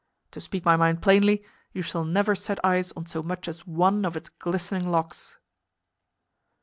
To speak my mind plainly, you shall never set eyes on so much as one of its glistening locks."